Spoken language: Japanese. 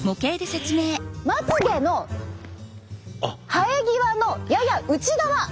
まつげの生え際のやや内側！